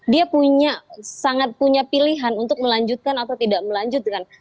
dia punya sangat punya pilihan untuk melanjutkan atau tidak melanjutkan